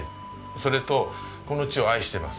それとこの地を愛しています。